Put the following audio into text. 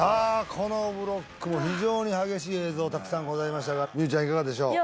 このブロックも非常に激しい映像たくさんございましたが望結ちゃんいかがでしょう？